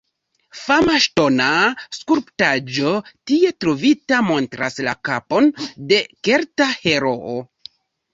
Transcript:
Fama ŝtona skulptaĵo tie trovita montras la kapon de kelta heroo.